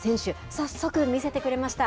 早速見せてくれました。